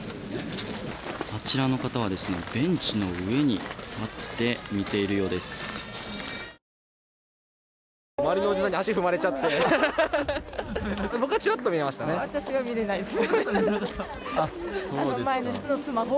あちらの方はベンチの上に立って見ているようです。